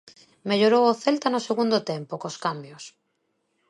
Mellorou o Celta no segundo tempo, cos cambios.